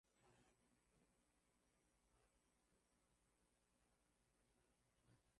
ya kusafirisha bidhaa zao katika miji mikubwa pekee